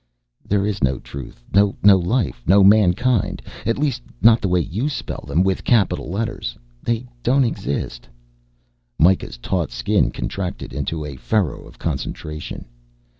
"There is no Truth, no Life, no Mankind. At least not the way you spell them with capital letters. They don't exist." Mikah's taut skin contracted into a furrow of concentration.